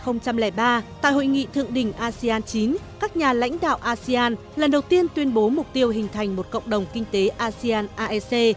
năm hai nghìn ba tại hội nghị thượng đỉnh asean chín các nhà lãnh đạo asean lần đầu tiên tuyên bố mục tiêu hình thành một cộng đồng kinh tế asean aec